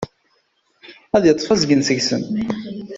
Ad yeṭṭef azgen seg-sen.